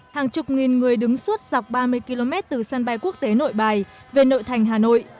hàng chục nghìn người đứng suốt dọc ba mươi km từ sân bay quốc tế nội bài về nội thành hà nội